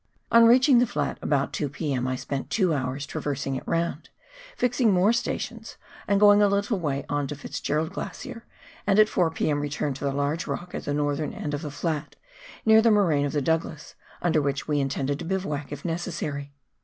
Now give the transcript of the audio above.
On reaching the flat about 2 P.M., I spent two hours traversing it round, fixing more stations, and going a little way on to FitzGerald Glacier, and at 4 P.M. returned to the large rock at the northern end of the flat near the moraine of the Douglas, under which we intended to bivouac if necessary.